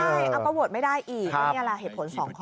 เอาไปโหวตไม่ได้อีกนี่แหละเหตุผลสองข้อ